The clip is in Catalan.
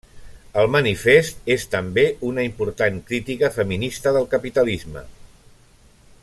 El Manifest és també una important crítica feminista del capitalisme.